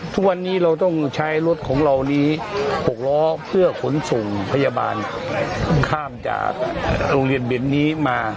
ทุกวันนี้เราต้องใช้รถของเรานี้๖ล้อเพื่อขนส่งพยาบาลข้ามจากโรงเรียนเบนนี้มา